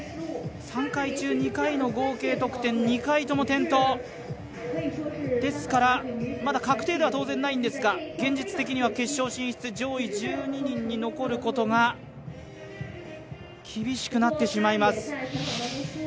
３回中２回の合計得点２回とも転倒ですから確定ではないんですが現実的には決勝進出上位１２人に残ることが厳しくなってしまいます。